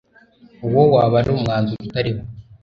uwo waba ari umwanzuro utari wo